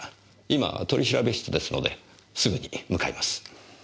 今取調室ですのですぐに向かいます。